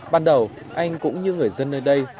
ban đầu anh cũng như người dân nơi đây